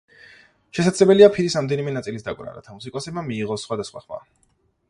შესაძლებელია ფირის რამდენიმე ნაწილის დაკვრა, რათა მუსიკოსმა მიიღოს სხვადასხვა ხმა.